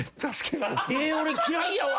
俺嫌いやわ。